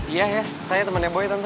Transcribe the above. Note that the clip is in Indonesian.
iya ya saya temennya boy tante